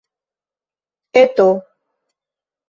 Eto?